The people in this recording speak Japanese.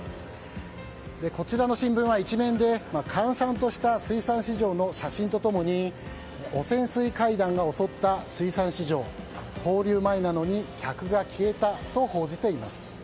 こちらの新聞は１面で閑散とした水産市場の写真と共に汚染水怪談が襲った放流前なのに客が消えたと報じています。